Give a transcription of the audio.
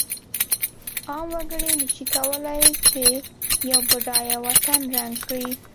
عام وګړی نشی کولای چې یو بډایه وطن ړنګ کړی.